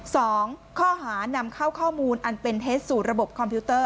สองข้อหานำเข้าข้อมูลอันเป็นเท็จสู่ระบบคอมพิวเตอร์